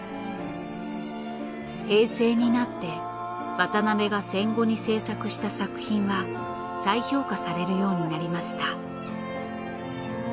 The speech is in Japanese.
平成になって渡辺が戦後に制作した作品は再評価されるようになりました。